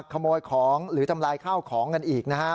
ขโมยของหรือทำลายข้าวของกันอีกนะฮะ